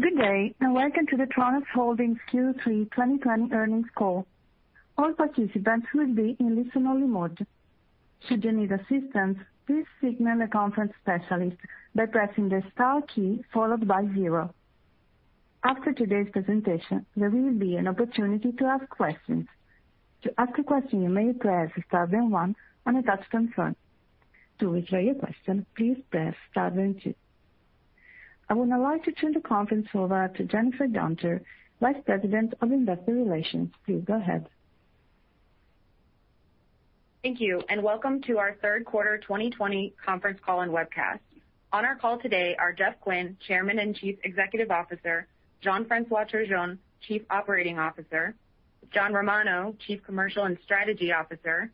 Good day, and welcome to the Tronox Holdings Q3 2020 earnings call. All participants will be in listen-only mode. Should you need assistance, please signal the conference specialist by pressing the star key followed by zero. After today's presentation, there will be an opportunity to ask questions. To ask a question, you may press star then one on your touchtone phone. To withdraw your question, please press star then two. I would now like to turn the conference over to Jennifer Guenther, Vice President of Investor Relations. Please go ahead. Thank you. Welcome to our third quarter 2020 conference call and webcast. On our call today are Jeff Quinn, Chairman and Chief Executive Officer, Jean-François Turgeon, Chief Operating Officer, John Romano, Chief Commercial and Strategy Officer,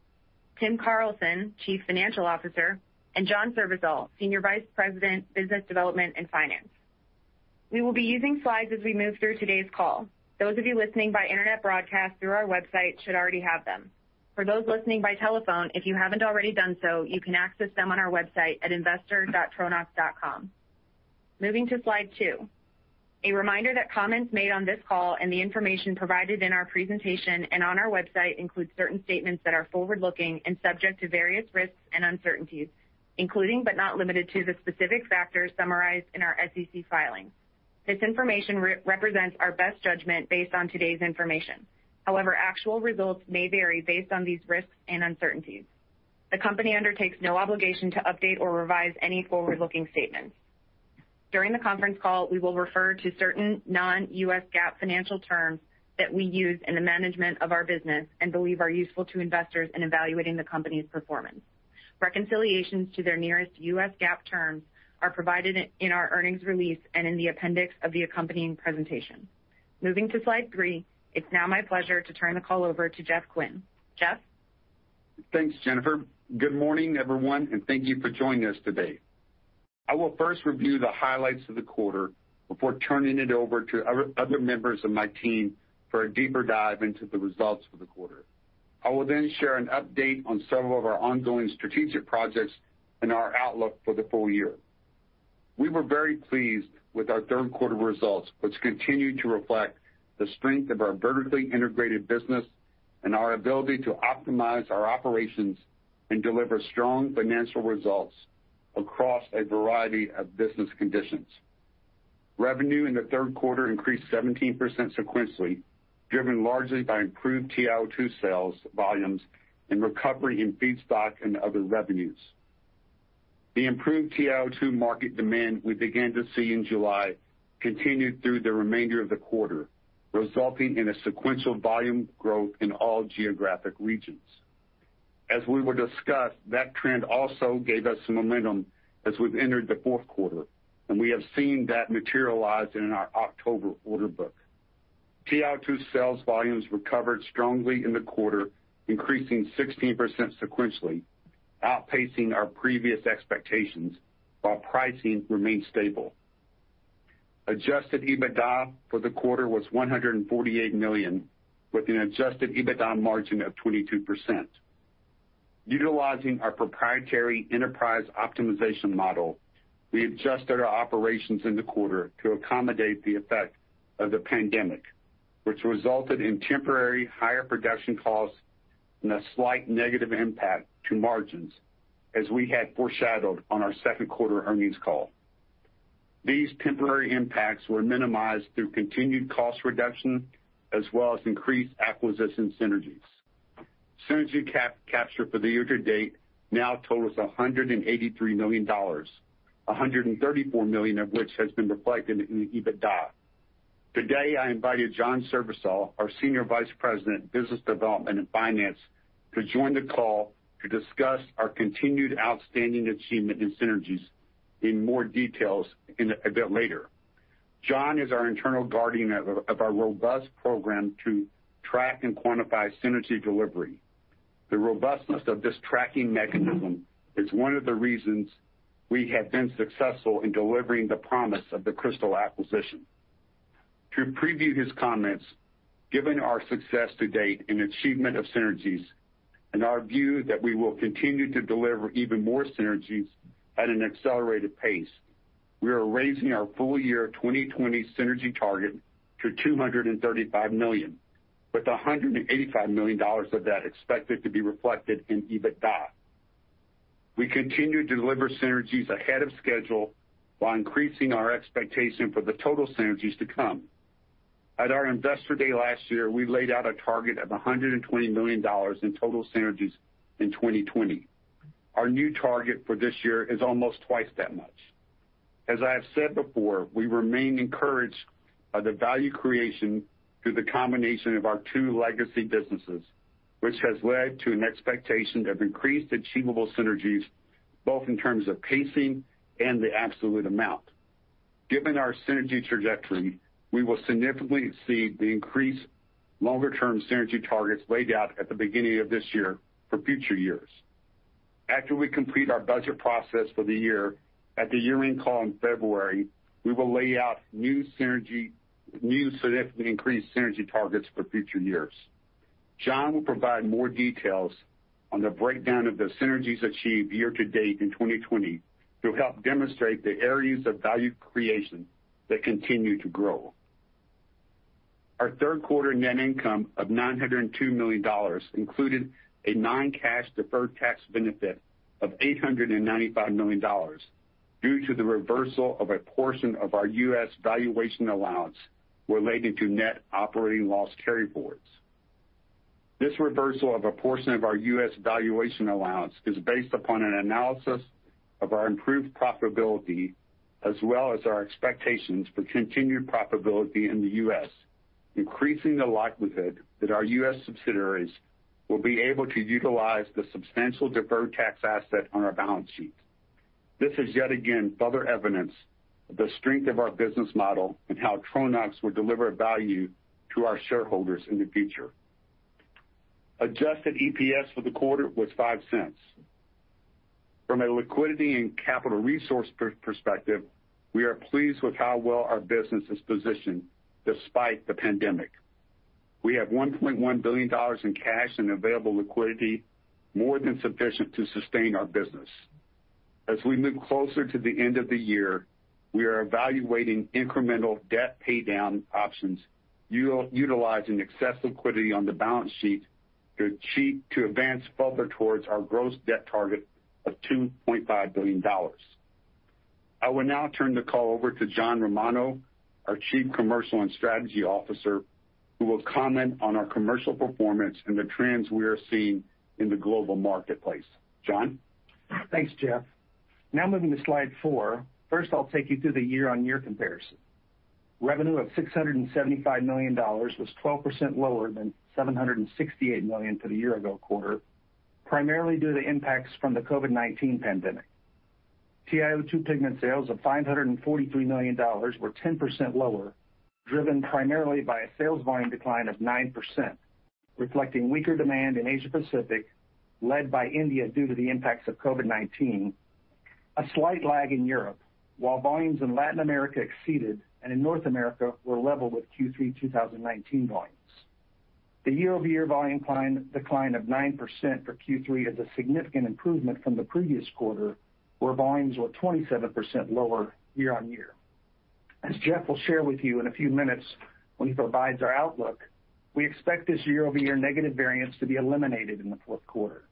Tim Carlson, Chief Financial Officer, and John Srivisal, Senior Vice President, Business Development and Finance. We will be using slides as we move through today's call. Those of you listening by internet broadcast through our website should already have them. For those listening by telephone, if you haven't already done so, you can access them on our website at investor.tronox.com. Moving to slide two. A reminder that comments made on this call and the information provided in our presentation and on our website include certain statements that are forward-looking and subject to various risks and uncertainties, including, but not limited to, the specific factors summarized in our SEC filings. This information represents our best judgment based on today's information. However, actual results may vary based on these risks and uncertainties. The company undertakes no obligation to update or revise any forward-looking statements. During the conference call, we will refer to certain non-US GAAP financial terms that we use in the management of our business and believe are useful to investors in evaluating the company's performance. Reconciliations to their nearest US GAAP terms are provided in our earnings release and in the appendix of the accompanying presentation. Moving to slide three. It's now my pleasure to turn the call over to Jeff Quinn. Jeff? Thanks, Jennifer. Good morning, everyone, and thank you for joining us today. I will first review the highlights of the quarter before turning it over to other members of my team for a deeper dive into the results for the quarter. I will then share an update on several of our ongoing strategic projects and our outlook for the full year. We were very pleased with our third quarter results, which continue to reflect the strength of our vertically integrated business and our ability to optimize our operations and deliver strong financial results across a variety of business conditions. Revenue in the third quarter increased 17% sequentially, driven largely by improved TiO2 sales volumes and recovery in feedstock and other revenues. The improved TiO2 market demand we began to see in July continued through the remainder of the quarter, resulting in a sequential volume growth in all geographic regions. As we will discuss, that trend also gave us some momentum as we've entered the fourth quarter, and we have seen that materialize in our October order book. TiO2 sales volumes recovered strongly in the quarter, increasing 16% sequentially, outpacing our previous expectations, while pricing remained stable. Adjusted EBITDA for the quarter was $148 million, with an Adjusted EBITDA margin of 22%. Utilizing our proprietary enterprise optimization model, we adjusted our operations in the quarter to accommodate the effect of the pandemic, which resulted in temporary higher production costs and a slight negative impact to margins as we had foreshadowed on our second quarter earnings call. These temporary impacts were minimized through continued cost reduction as well as increased acquisition synergies. Synergy capture for the year-to-date now totals $183 million, $134 million of which has been reflected in the EBITDA. Today, I invited John Srivisal, our Senior Vice President, Business Development and Finance, to join the call to discuss our continued outstanding achievement in synergies in more details a bit later. John is our internal guardian of our robust program to track and quantify synergy delivery. The robustness of this tracking mechanism is one of the reasons we have been successful in delivering the promise of the Cristal acquisition. To preview his comments, given our success to date in achievement of synergies and our view that we will continue to deliver even more synergies at an accelerated pace, we are raising our full year 2020 synergy target to $235 million, with $185 million of that expected to be reflected in EBITDA. We continue to deliver synergies ahead of schedule while increasing our expectation for the total synergies to come. At our Investor Day last year, we laid out a target of $120 million in total synergies in 2020. Our new target for this year is almost twice that much. As I have said before, we remain encouraged by the value creation through the combination of our two legacy businesses, which has led to an expectation of increased achievable synergies, both in terms of pacing and the absolute amount. Given our synergy trajectory, we will significantly exceed the increased longer-term synergy targets laid out at the beginning of this year for future years. After we complete our budget process for the year, at the year-end call in February, we will lay out new significant increased synergy targets for future years. John will provide more details on the breakdown of the synergies achieved year-to-date in 2020 to help demonstrate the areas of value creation that continue to grow. Our third quarter net income of $902 million included a non-cash deferred tax benefit of $895 million due to the reversal of a portion of our U.S. valuation allowance relating to net operating loss carryforwards. This reversal of a portion of our U.S. valuation allowance is based upon an analysis of our improved profitability, as well as our expectations for continued profitability in the U.S., increasing the likelihood that our U.S. subsidiaries will be able to utilize the substantial deferred tax asset on our balance sheet. This is yet again further evidence of the strength of our business model and how Tronox will deliver value to our shareholders in the future. Adjusted EPS for the quarter was $0.05. From a liquidity and capital resource perspective, we are pleased with how well our business is positioned despite the pandemic. We have $1.1 billion in cash and available liquidity, more than sufficient to sustain our business. As we move closer to the end of the year, we are evaluating incremental debt paydown options, utilizing excess liquidity on the balance sheet to advance further towards our gross debt target of $2.5 billion. I will now turn the call over to John Romano, our Chief Commercial and Strategy Officer, who will comment on our commercial performance and the trends we are seeing in the global marketplace. John? Thanks, Jeff. Now moving to slide four. First, I'll take you through the year-on-year comparison. Revenue of $675 million was 12% lower than $768 million for the year-ago quarter, primarily due to impacts from the COVID-19 pandemic. TiO2 pigment sales of $543 million were 10% lower, driven primarily by a sales volume decline of 9%, reflecting weaker demand in Asia Pacific, led by India due to the impacts of COVID-19. A slight lag in Europe, while volumes in Latin America exceeded, and in North America were level with Q3 2019 volumes. The YoY volume decline of 9% for Q3 is a significant improvement from the previous quarter, where volumes were 27% lower year-on-year. As Jeff will share with you in a few minutes when he provides our outlook, we expect this YoY negative variance to be eliminated in the fourth quarter.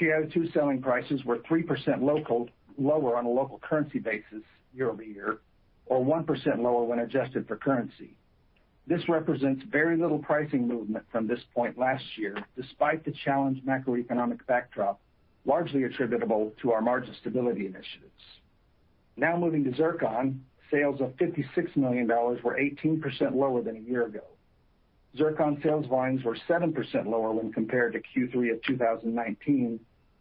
TiO2 selling prices were 3% lower on a local currency basis YoY, or 1% lower when adjusted for currency. This represents very little pricing movement from this point last year, despite the challenged macroeconomic backdrop, largely attributable to our margin stability initiatives. Moving to zircon. Sales of $56 million were 18% lower than a year ago. Zircon sales volumes were 7% lower when compared to Q3 of 2019,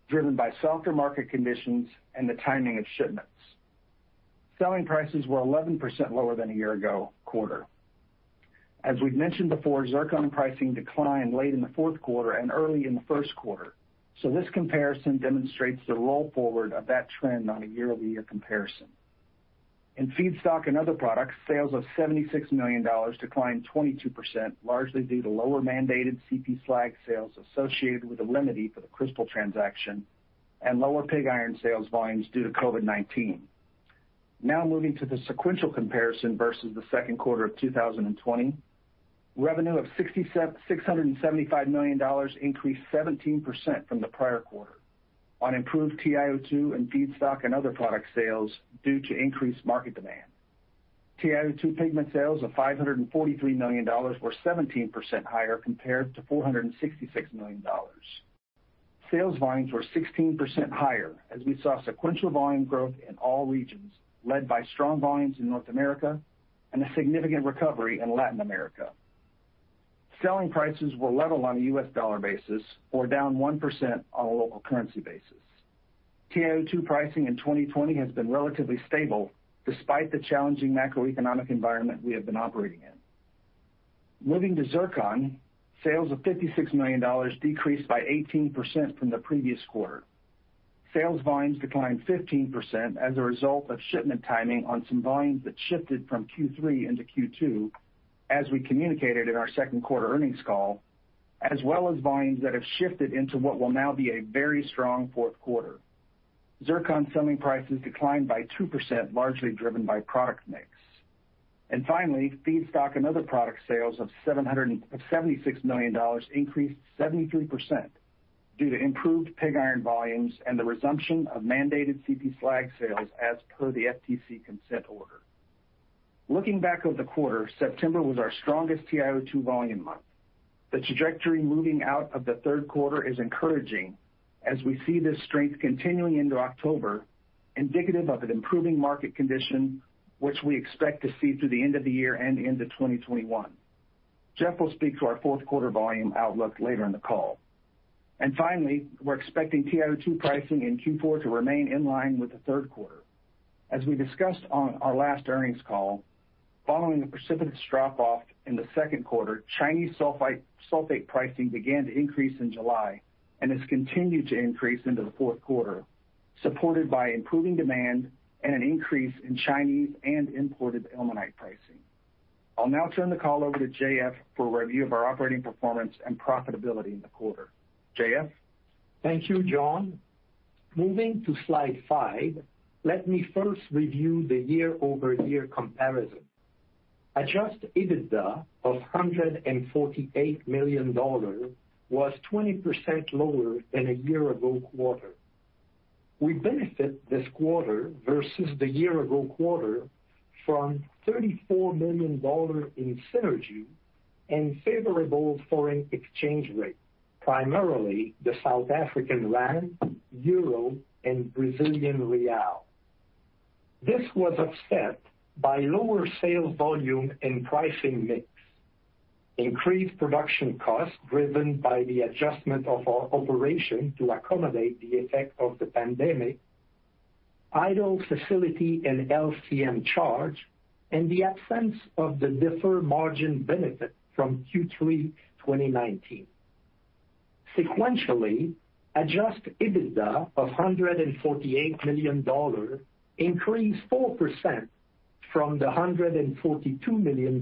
driven by softer market conditions and the timing of shipments. Selling prices were 11% lower than a year ago quarter. We've mentioned before, zircon pricing declined late in the fourth quarter and early in the first quarter. This comparison demonstrates the roll forward of that trend on a YoY comparison. In feedstock and other products, sales of $76 million declined 22%, largely due to lower mandated CP slag sales associated with the remedy for the Cristal transaction, and lower pig iron sales volumes due to COVID-19. Moving to the sequential comparison versus the second quarter of 2020. Revenue of $675 million increased 17% from the prior quarter on improved TiO2 and feedstock and other product sales due to increased market demand. TiO2 pigment sales of $543 million were 17% higher compared to $466 million. Sales volumes were 16% higher as we saw sequential volume growth in all regions, led by strong volumes in North America and a significant recovery in Latin America. Selling prices were level on a U.S. dollar basis or down 1% on a local currency basis. TiO2 pricing in 2020 has been relatively stable despite the challenging macroeconomic environment we have been operating in. Moving to zircon, sales of $56 million decreased by 18% from the previous quarter. Sales volumes declined 15% as a result of shipment timing on some volumes that shifted from Q3 into Q2, as we communicated in our second quarter earnings call, as well as volumes that have shifted into what will now be a very strong fourth quarter. Zircon selling prices declined by 2%, largely driven by product mix. Finally, feedstock and other product sales of $76 million increased 73% due to improved pig iron volumes and the resumption of mandated CP slag sales as per the FTC consent order. Looking back over the quarter, September was our strongest TiO2 volume month. The trajectory moving out of the third quarter is encouraging as we see this strength continuing into October, indicative of an improving market condition, which we expect to see through the end of the year and into 2021. Jeff will speak to our fourth quarter volume outlook later in the call. Finally, we're expecting TiO2 pricing in Q4 to remain in line with the third quarter. As we discussed on our last earnings call, following the precipitous drop-off in the second quarter, Chinese sulfate pricing began to increase in July and has continued to increase into the fourth quarter. Supported by improving demand and an increase in Chinese and imported ilmenite pricing. I'll now turn the call over to J.F. for a review of our operating performance and profitability in the quarter. J.F.? Thank you, John. Moving to slide five, let me first review the YoY comparison. Adjusted EBITDA of $148 million was 20% lower than a year-ago quarter. We benefit this quarter versus the year-ago quarter from $34 million in synergy and favorable foreign exchange rate, primarily the South African rand, euro, and Brazilian real. This was offset by lower sales volume and pricing mix, increased production costs driven by the adjustment of our operation to accommodate the effect of the pandemic, idle facility and LCM charge, and the absence of the deferred margin benefit from Q3 2019. Sequentially, Adjusted EBITDA of $148 million increased 4% from the $142 million,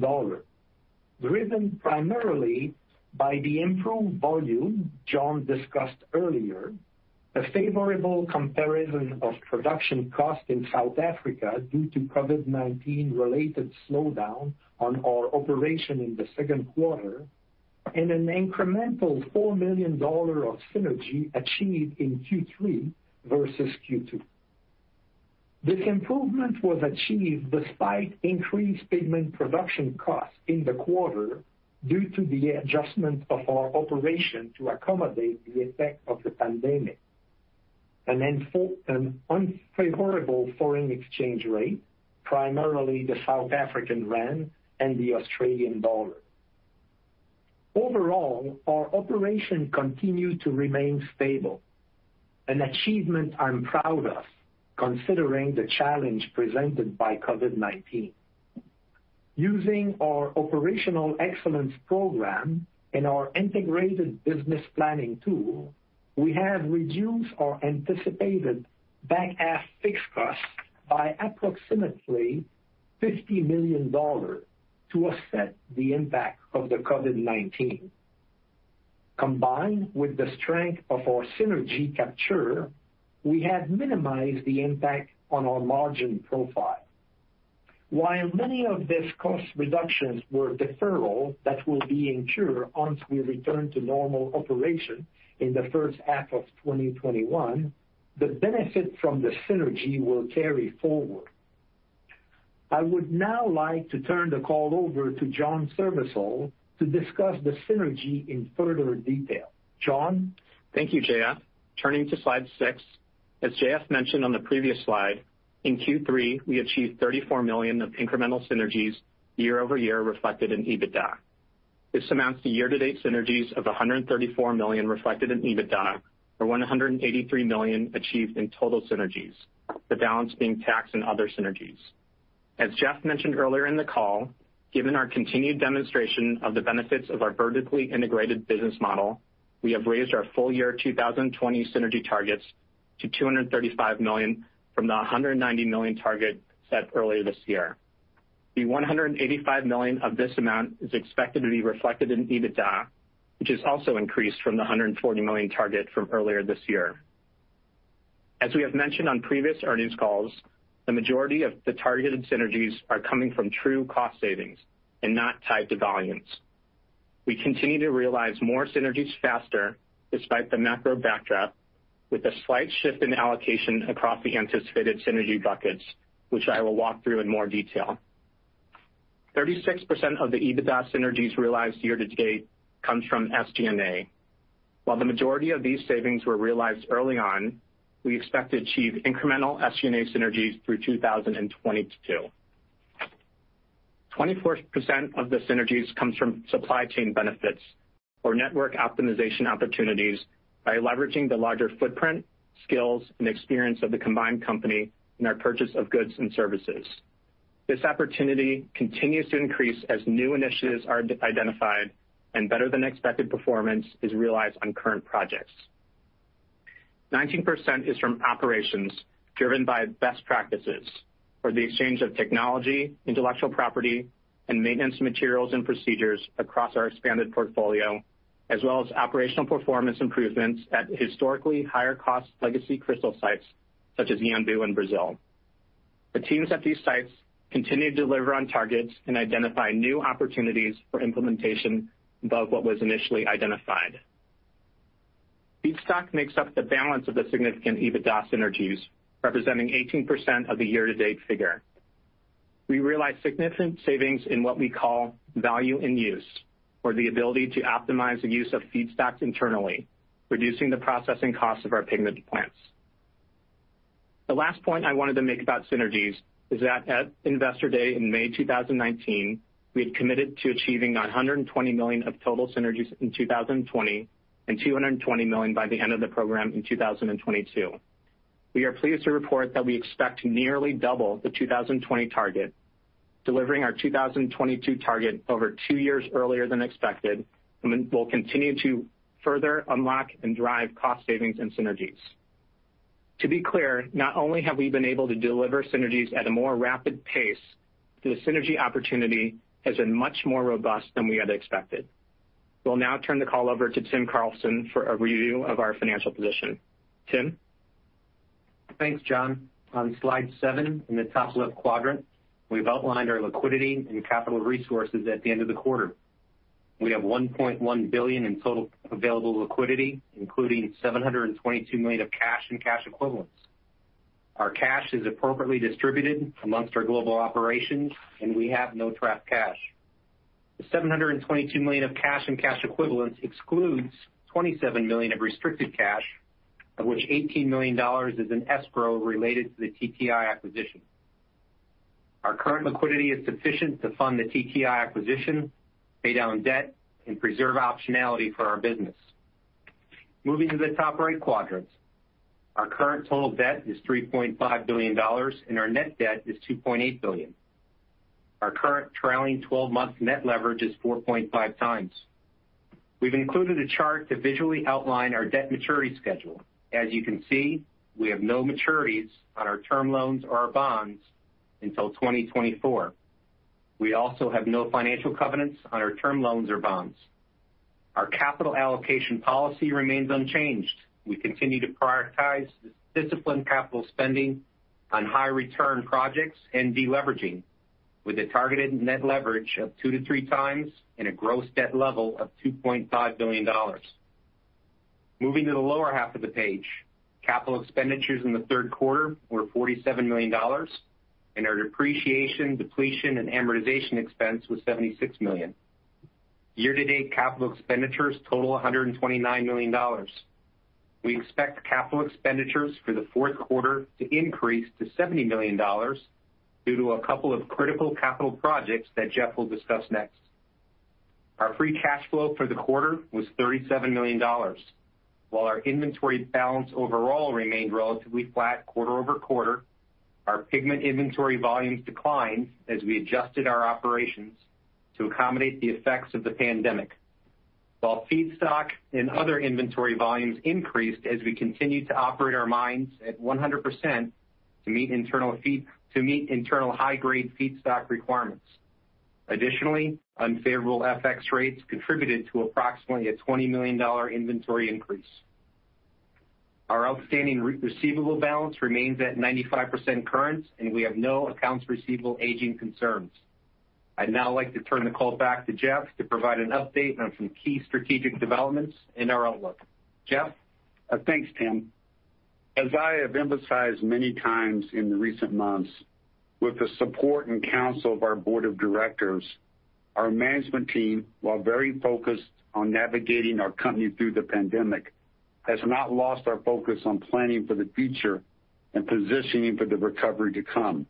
driven primarily by the improved volume John discussed earlier, a favorable comparison of production cost in South Africa due to COVID-19 related slowdown on our operation in the second quarter, and an incremental $4 million of synergy achieved in Q3 versus Q2. This improvement was achieved despite increased pigment production costs in the quarter due to the adjustment of our operation to accommodate the effect of the pandemic, and an unfavorable foreign exchange rate, primarily the South African rand and the Australian dollar. Overall, our operation continued to remain stable, an achievement I'm proud of considering the challenge presented by COVID-19. Using our operational excellence program and our integrated business planning tool, we have reduced our anticipated back half fixed costs by approximately $50 million to offset the impact of the COVID-19. Combined with the strength of our synergy capture, we have minimized the impact on our margin profile. While many of these cost reductions were deferral that will be incurred once we return to normal operation in the first half of 2021, the benefit from the synergy will carry forward. I would now like to turn the call over to John Srivisal to discuss the synergy in further detail. John? Thank you, JF. Turning to slide six. As JF mentioned on the previous slide, in Q3, we achieved $34 million of incremental synergies YoY reflected in EBITDA. This amounts to year-to-date synergies of $134 million reflected in EBITDA, or $183 million achieved in total synergies, the balance being taxed and other synergies. As Jeff mentioned earlier in the call, given our continued demonstration of the benefits of our vertically integrated business model, we have raised our full year 2020 synergy targets to $235 million from the $190 million target set earlier this year. The $185 million of this amount is expected to be reflected in EBITDA, which is also increased from the $140 million target from earlier this year. As we have mentioned on previous earnings calls, the majority of the targeted synergies are coming from true cost savings and not tied to volumes. We continue to realize more synergies faster despite the macro backdrop, with a slight shift in allocation across the anticipated synergy buckets, which I will walk through in more detail. 36% of the EBITDA synergies realized year-to-date comes from SG&A. While the majority of these savings were realized early on, we expect to achieve incremental SG&A synergies through 2022. 24% of the synergies comes from supply chain benefits or network optimization opportunities by leveraging the larger footprint, skills, and experience of the combined company in our purchase of goods and services. This opportunity continues to increase as new initiatives are identified and better than expected performance is realized on current projects. 19% is from operations driven by best practices for the exchange of technology, intellectual property, and maintenance materials and procedures across our expanded portfolio, as well as operational performance improvements at historically higher cost legacy Cristal sites such as Yanbu and Brazil. The teams at these sites continue to deliver on targets and identify new opportunities for implementation above what was initially identified. Feedstock makes up the balance of the significant EBITDA synergies, representing 18% of the year-to-date figure. We realized significant savings in what we call value in use, or the ability to optimize the use of feedstock internally, reducing the processing cost of our pigment plants. The last point I wanted to make about synergies is that at Investor Day in May 2019, we had committed to achieving $120 million of total synergies in 2020 and $220 million by the end of the program in 2022. We are pleased to report that we expect to nearly double the 2020 target. Delivering our 2022 target over two years earlier than expected, and we'll continue to further unlock and drive cost savings and synergies. To be clear, not only have we been able to deliver synergies at a more rapid pace, the synergy opportunity has been much more robust than we had expected. We'll now turn the call over to Tim Carlson for a review of our financial position. Tim? Thanks, John. On slide seven, in the top left quadrant, we've outlined our liquidity and capital resources at the end of the quarter. We have $1.1 billion in total available liquidity, including $722 million of cash and cash equivalents. Our cash is appropriately distributed amongst our global operations, and we have no trapped cash. The $722 million of cash and cash equivalents excludes $27 million of restricted cash, of which $18 million is in escrow related to the TTI acquisition. Our current liquidity is sufficient to fund the TTI acquisition, pay down debt, and preserve optionality for our business. Moving to the top right quadrant. Our current total debt is $3.5 billion, and our net debt is $2.8 billion. Our current trailing 12-month net leverage is 4.5 times. We've included a chart to visually outline our debt maturity schedule. As you can see, we have no maturities on our term loans or our bonds until 2024. We also have no financial covenants on our term loans or bonds. Our capital allocation policy remains unchanged. We continue to prioritize disciplined capital spending on high-return projects and de-leveraging, with a targeted net leverage of two to three times and a gross debt level of $2.5 billion. Moving to the lower half of the page. Capital expenditures in the third quarter were $47 million, and our depreciation, depletion, and amortization expense was $76 million. Year-to-date capital expenditures total $129 million. We expect capital expenditures for the fourth quarter to increase to $70 million due to a couple of critical capital projects that Jeff will discuss next. Our free cash flow for the quarter was $37 million. While our inventory balance overall remained relatively flat QoQ, our pigment inventory volumes declined as we adjusted our operations to accommodate the effects of the pandemic. While feedstock and other inventory volumes increased as we continued to operate our mines at 100% to meet internal high-grade feedstock requirements. Additionally, unfavorable FX rates contributed to approximately a $20 million inventory increase. Our outstanding receivable balance remains at 95% current, and we have no accounts receivable aging concerns. I'd now like to turn the call back to Jeff to provide an update on some key strategic developments in our outlook. Jeff? Thanks, Tim. As I have emphasized many times in the recent months, with the support and counsel of our board of directors, our management team, while very focused on navigating our company through the pandemic, has not lost our focus on planning for the future and positioning for the recovery to come.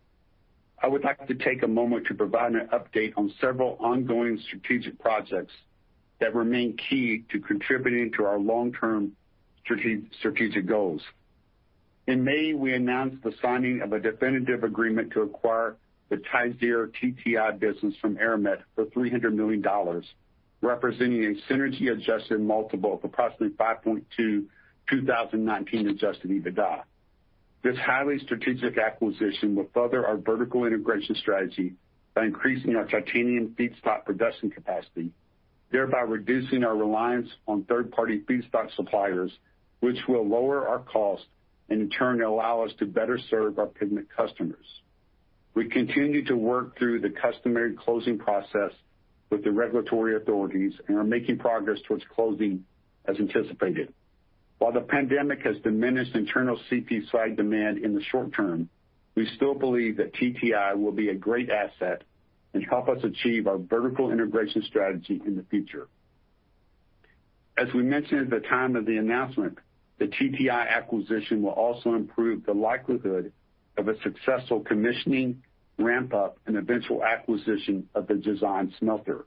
I would like to take a moment to provide an update on several ongoing strategic projects that remain key to contributing to our long-term strategic goals. In May, we announced the signing of a definitive agreement to acquire the TiZir TTI business from Eramet for $300 million, representing a synergy-adjusted multiple of approximately 5.2 2019 Adjusted EBITDA. This highly strategic acquisition will further our vertical integration strategy by increasing our titanium feedstock production capacity, thereby reducing our reliance on third-party feedstock suppliers, which will lower our cost and in turn allow us to better serve our pigment customers. We continue to work through the customary closing process with the regulatory authorities and are making progress towards closing as anticipated. While the pandemic has diminished internal CP slag demand in the short term, we still believe that TTI will be a great asset and help us achieve our vertical integration strategy in the future. As we mentioned at the time of the announcement, the TTI acquisition will also improve the likelihood of a successful commissioning ramp-up and eventual acquisition of the Jazan smelter.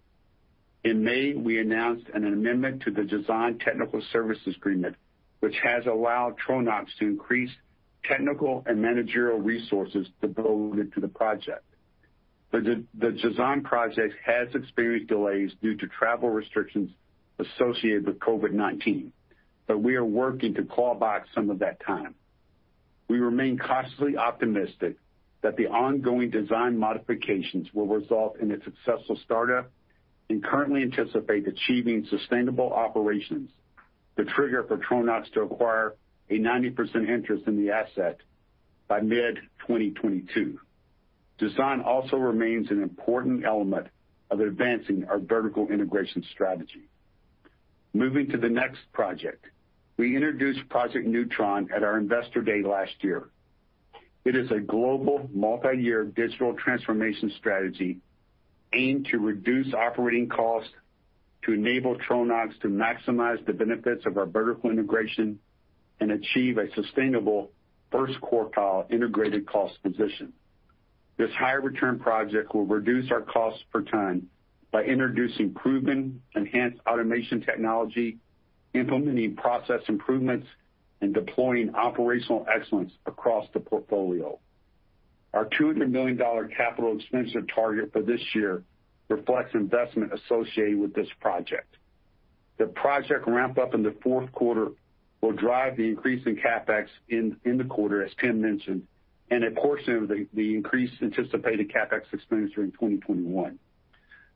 In May, we announced an amendment to the Jazan technical services agreement, which has allowed Tronox to increase technical and managerial resources devoted to the project. The Jazan project has experienced delays due to travel restrictions associated with COVID-19, but we are working to claw back some of that time. We remain cautiously optimistic that the ongoing design modifications will result in a successful startup and currently anticipate achieving sustainable operations to trigger for Tronox to acquire a 90% interest in the asset by mid-2022. Jazan also remains an important element of advancing our vertical integration strategy. Moving to the next project. We introduced Project newTRON at our Investor Day last year. It is a global multi-year digital transformation strategy aimed to reduce operating costs to enable Tronox to maximize the benefits of our vertical integration and achieve a sustainable first quartile integrated cost position. This high-return project will reduce our costs per ton by introducing proven enhanced automation technology, implementing process improvements, and deploying operational excellence across the portfolio. Our $200 million capital expenditure target for this year reflects investment associated with this project. The project ramp-up in the fourth quarter will drive the increase in CapEx in the quarter, as Tim mentioned, and a portion of the increased anticipated CapEx expenditure in 2021.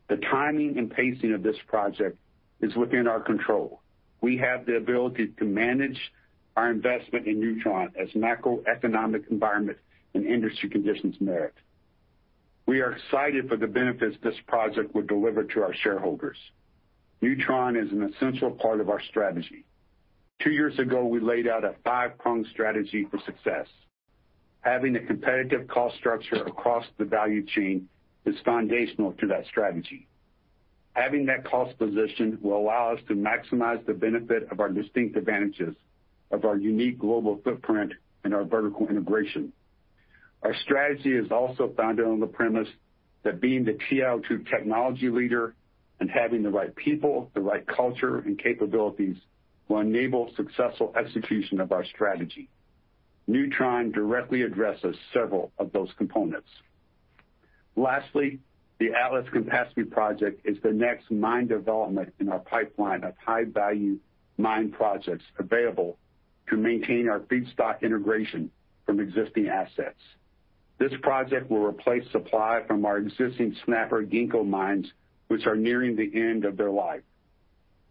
The timing and pacing of this project is within our control. We have the ability to manage our investment in newTRON as macroeconomic environment and industry conditions merit. We are excited for the benefits this project will deliver to our shareholders. newTRON is an essential part of our strategy. Two years ago, we laid out a five-pronged strategy for success. Having a competitive cost structure across the value chain is foundational to that strategy. Having that cost position will allow us to maximize the benefit of our distinct advantages of our unique global footprint and our vertical integration. Our strategy is also founded on the premise that being the TiO2 technology leader and having the right people, the right culture, and capabilities will enable successful execution of our strategy. Project newTRON directly addresses several of those components. Lastly, the Atlas Campaspe project is the next mine development in our pipeline of high-value mine projects available to maintain our feedstock integration from existing assets. This project will replace supply from our existing Snapper-Ginkgo mines, which are nearing the end of their life.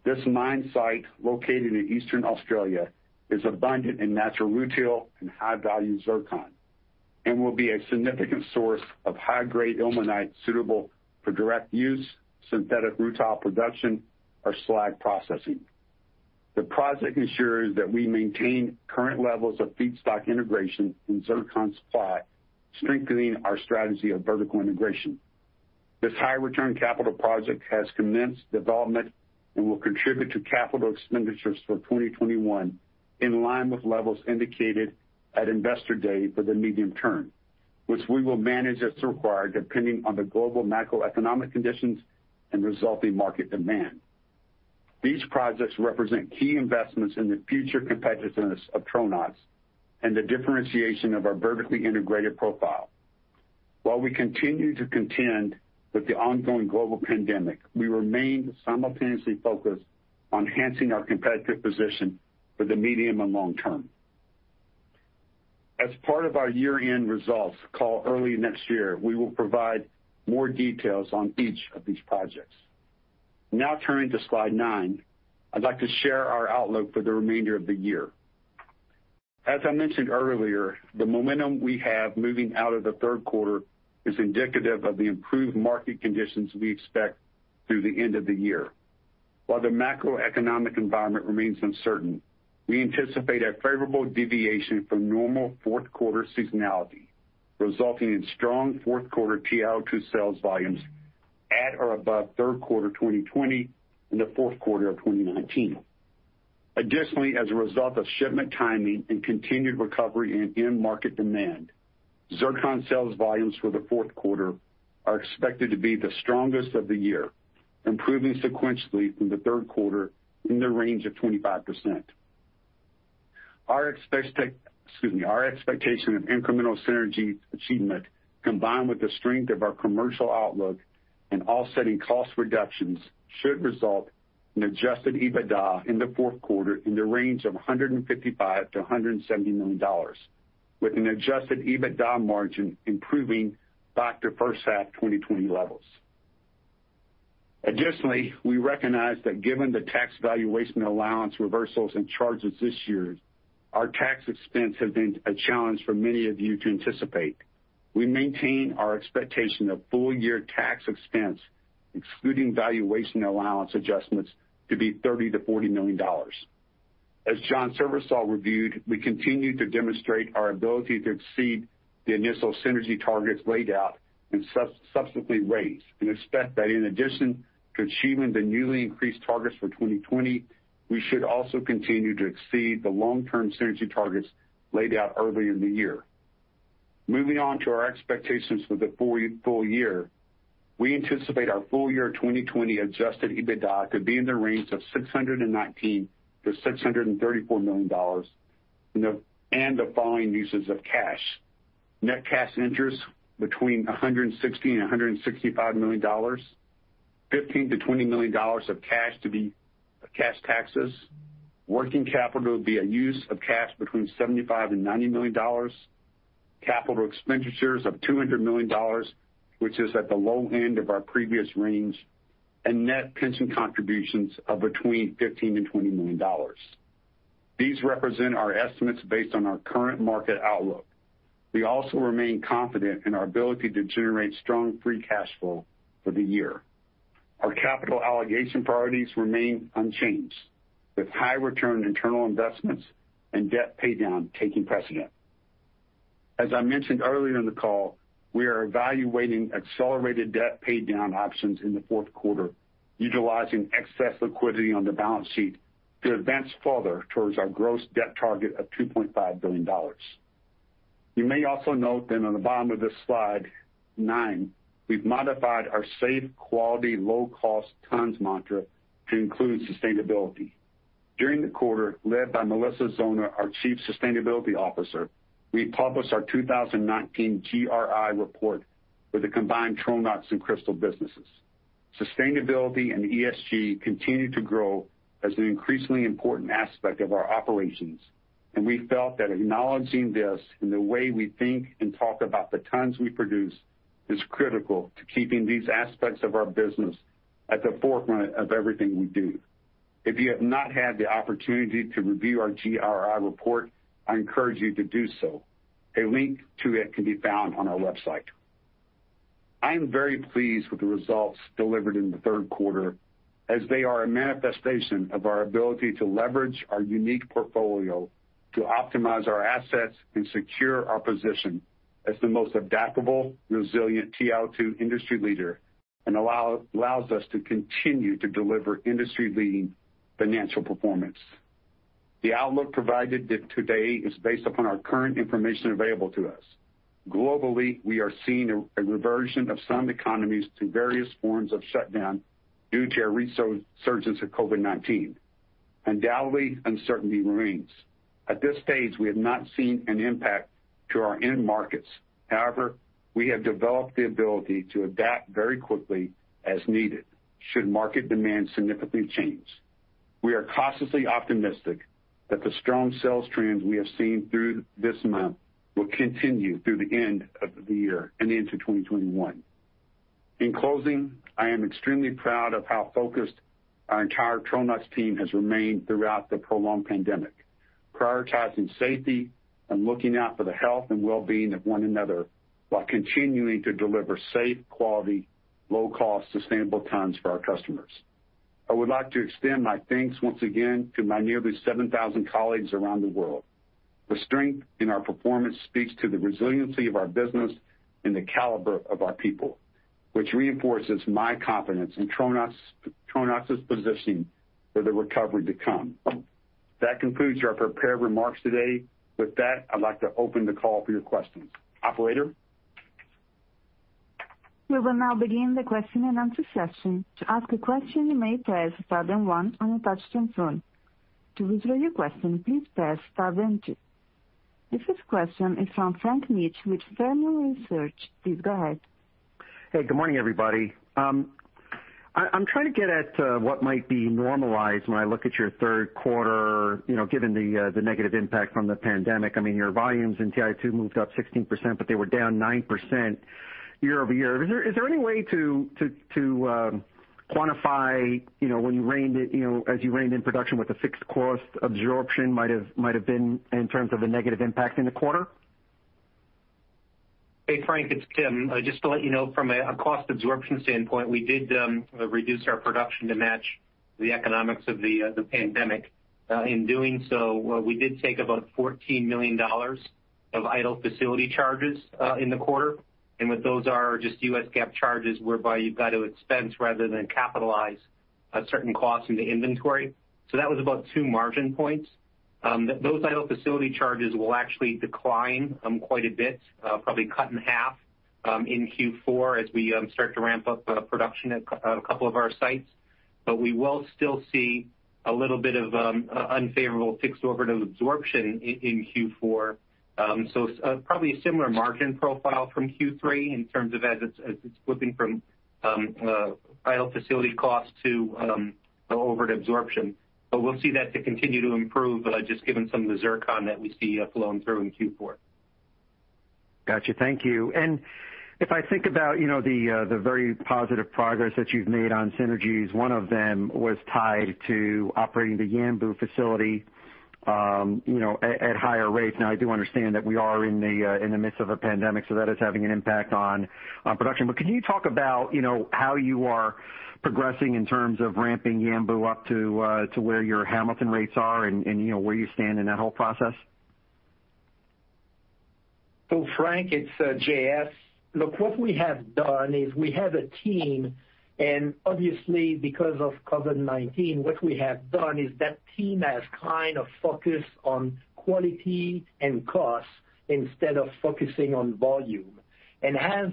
This mine site, located in Eastern Australia, is abundant in natural rutile and high-value zircon, and will be a significant source of high-grade ilmenite suitable for direct use, synthetic rutile production, or slag processing. The project ensures that we maintain current levels of feedstock integration and zircon supply, strengthening our strategy of vertical integration. This high-return capital project has commenced development and will contribute to capital expenditures for 2021, in line with levels indicated at Investor Day for the medium term, which we will manage as required depending on the global macroeconomic conditions and resulting market demand. These projects represent key investments in the future competitiveness of Tronox and the differentiation of our vertically integrated profile. While we continue to contend with the ongoing global pandemic, we remain simultaneously focused on enhancing our competitive position for the medium and long term. As part of our year-end results call early next year, we will provide more details on each of these projects. Now turning to slide nine, I'd like to share our outlook for the remainder of the year. As I mentioned earlier, the momentum we have moving out of the third quarter is indicative of the improved market conditions we expect through the end of the year. While the macroeconomic environment remains uncertain, we anticipate a favorable deviation from normal fourth quarter seasonality, resulting in strong fourth quarter TiO2 sales volumes at or above third quarter 2020 and the fourth quarter of 2019. Additionally, as a result of shipment timing and continued recovery in end market demand, zircon sales volumes for the fourth quarter are expected to be the strongest of the year, improving sequentially from the third quarter in the range of 25%. Our expectation of incremental synergy achievement, combined with the strength of our commercial outlook and offsetting cost reductions, should result in Adjusted EBITDA in the fourth quarter in the range of $155 million-$170 million, with an Adjusted EBITDA margin improving back to first half 2020 levels. Additionally, we recognize that given the tax valuation allowance reversals and charges this year, our tax expense has been a challenge for many of you to anticipate. We maintain our expectation of full-year tax expense, excluding valuation allowance adjustments, to be $30 million-$40 million. As John Srivisal reviewed, we continue to demonstrate our ability to exceed the initial synergy targets laid out and subsequently raised, and expect that in addition to achieving the newly increased targets for 2020, we should also continue to exceed the long-term synergy targets laid out earlier in the year. Moving on to our expectations for the full year, we anticipate our full-year 2020 Adjusted EBITDA to be in the range of $619 million-$634 million and the following uses of cash. Net cash interest between $160 million and $165 million, $15 million-$20 million of cash taxes. Working capital will be a use of cash between $75 million and $90 million. Capital expenditures of $200 million, which is at the low end of our previous range, and net pension contributions of between $15 million and $20 million. These represent our estimates based on our current market outlook. We also remain confident in our ability to generate strong free cash flow for the year. Our capital allocation priorities remain unchanged, with high return internal investments and debt paydown taking precedence. As I mentioned earlier in the call, we are evaluating accelerated debt paydown options in the fourth quarter, utilizing excess liquidity on the balance sheet to advance further towards our gross debt target of $2.5 billion. You may also note that on the bottom of this slide nine, we've modified our safe, quality, low cost tons mantra to include sustainability. During the quarter, led by Melissa Zona, our Chief Sustainability Officer, we published our 2019 GRI report for the combined Tronox and Cristal businesses. Sustainability and ESG continue to grow as an increasingly important aspect of our operations, and we felt that acknowledging this in the way we think and talk about the tons we produce is critical to keeping these aspects of our business at the forefront of everything we do. If you have not had the opportunity to review our GRI report, I encourage you to do so. A link to it can be found on our website. I am very pleased with the results delivered in the third quarter as they are a manifestation of our ability to leverage our unique portfolio to optimize our assets and secure our position as the most adaptable, resilient TiO2 industry leader and allows us to continue to deliver industry-leading financial performance. The outlook provided today is based upon our current information available to us. Globally, we are seeing a reversion of some economies through various forms of shutdown due to a resurgence of COVID-19. Undoubtedly, uncertainty remains. At this stage, we have not seen an impact to our end markets. However, we have developed the ability to adapt very quickly as needed should market demand significantly change. We are cautiously optimistic that the strong sales trends we have seen through this month will continue through the end of the year and into 2021. In closing, I am extremely proud of how focused our entire Tronox team has remained throughout the prolonged pandemic, prioritizing safety and looking out for the health and wellbeing of one another while continuing to deliver safe, quality, low cost, sustainable tons for our customers. I would like to extend my thanks once again to my nearly 7,000 colleagues around the world. The strength in our performance speaks to the resiliency of our business and the caliber of our people, which reinforces my confidence in Tronox's positioning for the recovery to come. That concludes our prepared remarks today. With that, I'd like to open the call for your questions. Operator? We will now begin the question and answer session. To ask a question, you may press star then one on your touchtone phone. To withdraw your question, please press star then two. The first question is from Frank Mitsch with Fermium Research. Please go ahead. Good morning, everybody. I'm trying to get at what might be normalized when I look at your third quarter, given the negative impact from the pandemic. I mean, your volumes in TiO2 moved up 16%, but they were down 9% YoY. Is there any way to quantify as you reined in production what the fixed cost absorption might have been in terms of the negative impact in the quarter? Hey, Frank, it's Tim. Just to let you know from a cost absorption standpoint, we did reduce our production to match the economics of the pandemic. In doing so, we did take about $14 million of idle facility charges in the quarter. What those are are just US GAAP charges whereby you've got to expense rather than capitalize a certain cost in the inventory. That was about two margin points. Those idle facility charges will actually decline quite a bit, probably cut in half in Q4 as we start to ramp up production at a couple of our sites. We will still see a little bit of unfavorable fixed overhead absorption in Q4. Probably a similar margin profile from Q3 in terms of as it's flipping from idle facility cost to overhead absorption. We'll see that to continue to improve just given some of the zircon that we see flowing through in Q4. Got you. Thank you. And if I think about the very positive progress that you've made on synergies, one of them was tied to operating the Yanbu facility at higher rates. Now I do understand that we are in the midst of a pandemic, so that is having an impact on production. But can you talk about how you are progressing in terms of ramping Yanbu up to where your Hamilton rates are and where you stand in that whole process? Frank, it's J.F. Look, what we have done is we have a team, and obviously because of COVID-19, what we have done is that team has kind of focused on quality and cost instead of focusing on volume. As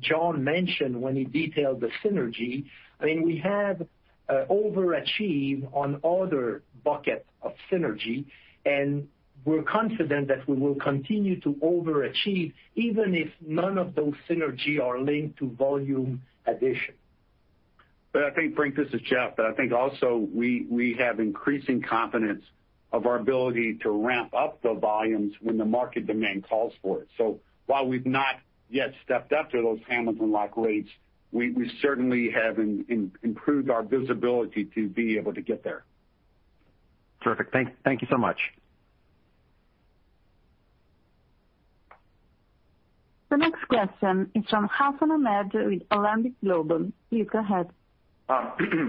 John mentioned when he detailed the synergy, I mean, we have overachieved on other buckets of synergy, and we're confident that we will continue to overachieve even if none of those synergy are linked to volume addition. I think, Frank, this is Jeff. I think also we have increasing confidence of our ability to ramp up the volumes when the market demand calls for it. While we've not yet stepped up to those Hamilton-like rates, we certainly have improved our visibility to be able to get there. Terrific. Thank you so much. The next question is from Hassan Ahmed with Alembic Global. Please go ahead.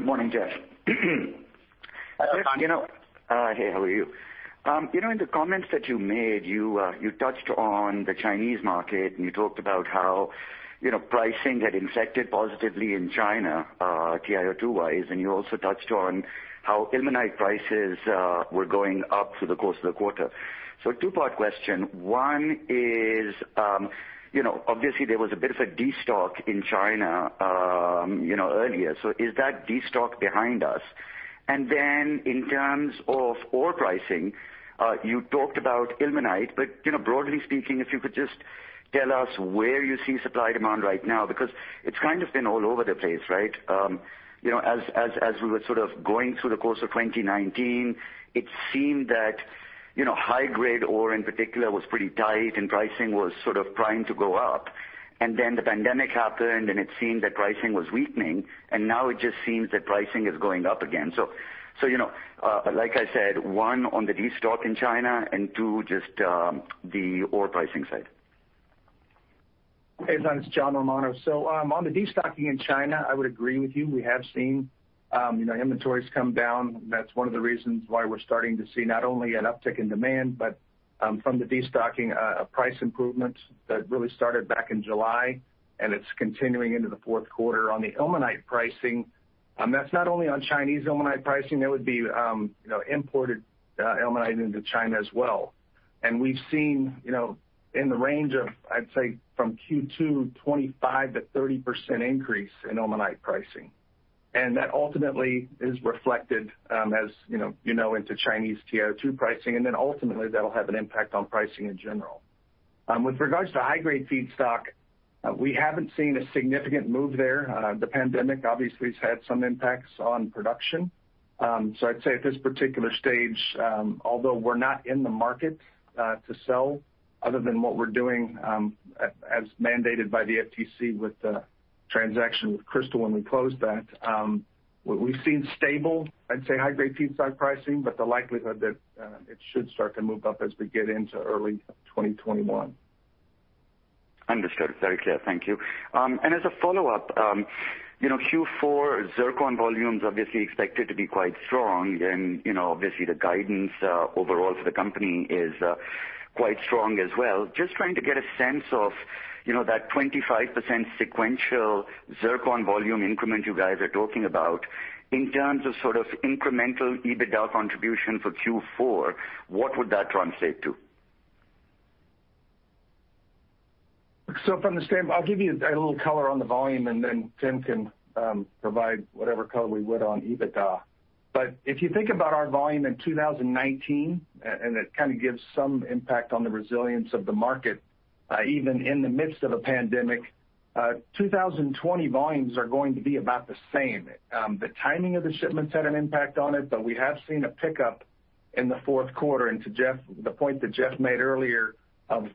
Morning, Jeff. Hassan, you know. Hi. Hi, how are you? In the comments that you made, you touched on the Chinese market, and you talked about how pricing had affected positively in China, TiO2-wise, and you also touched on how ilmenite prices were going up through the course of the quarter. Two-part question. One is, obviously there was a bit of a destock in China earlier. Is that destock behind us? In terms of ore pricing, you talked about ilmenite. Broadly speaking, if you could just tell us where you see supply-demand right now, because it's kind of been all over the place, right? As we were sort of going through the course of 2019, it seemed that high-grade ore in particular was pretty tight, and pricing was sort of primed to go up. The pandemic happened, and it seemed that pricing was weakening, and now it just seems that pricing is going up again. Like I said, one on the de-stock in China, and two, just the ore pricing side. Hey, Hassan, it's John Romano. On the de-stocking in China, I would agree with you. We have seen inventories come down. That's one of the reasons why we're starting to see not only an uptick in demand, but from the de-stocking, a price improvement that really started back in July, and it's continuing into the fourth quarter. On the ilmenite pricing, that's not only on Chinese ilmenite pricing, that would be imported ilmenite into China as well. We've seen in the range of, I'd say, from Q2, 25%-30% increase in ilmenite pricing. That ultimately is reflected into Chinese TiO2 pricing, and then ultimately that'll have an impact on pricing in general. With regards to high-grade feedstock, we haven't seen a significant move there. The pandemic obviously has had some impacts on production. I'd say at this particular stage, although we're not in the market to sell other than what we're doing as mandated by the FTC with the transaction with Cristal when we close that. We've seen stable, I'd say, high-grade feedstock pricing, but the likelihood that it should start to move up as we get into early 2021. Understood. Very clear. Thank you. As a follow-up, Q4 zircon volume's obviously expected to be quite strong, and obviously the guidance overall for the company is quite strong as well. Just trying to get a sense of that 25% sequential zircon volume increment you guys are talking about. In terms of sort of incremental EBITDA contribution for Q4, what would that translate to? I'll give you a little color on the volume, and then Tim can provide whatever color we would on EBITDA. If you think about our volume in 2019, and it kind of gives some impact on the resilience of the market even in the midst of a pandemic, 2020 volumes are going to be about the same. The timing of the shipments had an impact on it, but we have seen a pickup in the fourth quarter. To the point that Jeff made earlier of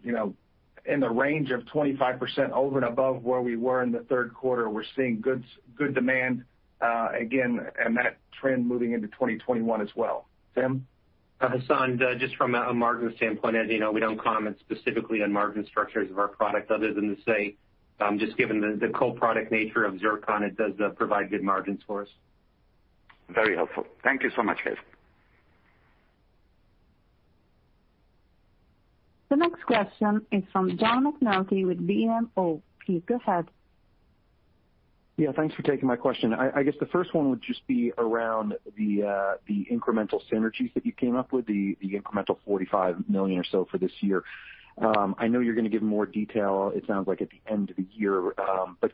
in the range of 25% over and above where we were in the third quarter, we're seeing good demand again, and that trend moving into 2021 as well. Tim? Hassan, just from a margin standpoint, as you know, we don't comment specifically on margin structures of our product other than to say, just given the co-product nature of zircon, it does provide good margins for us. Very helpful. Thank you so much, guys. The next question is from John McNulty with BMO. Please go ahead. Yeah, thanks for taking my question. I guess the first one would just be around the incremental synergies that you came up with, the incremental $45 million or so for this year. I know you're going to give more detail, it sounds like at the end of the year.